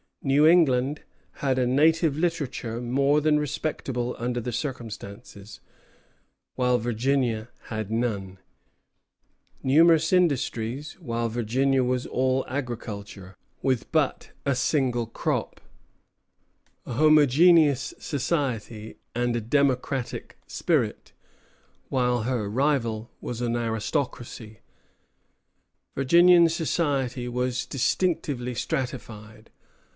New England had a native literature more than respectable under the circumstances, while Virginia had none; numerous industries, while Virginia was all agriculture, with but a single crop; a homogeneous society and a democratic spirit, while her rival was an aristocracy. Virginian society was distinctively stratified.